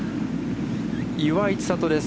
岩井千怜です。